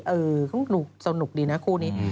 เออมันหนูสนุกดีนะครูนี้